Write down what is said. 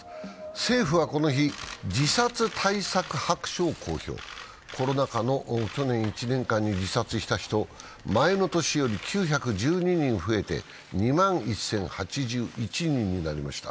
政府はこの日、自殺対策白書を公表コロナ禍の去年１年間に自殺した人、前の年より９１２人増えて２万１０８１人になりました。